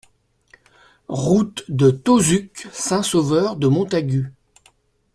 Route de Tauzuc, Saint-Sauveur-de-Montagut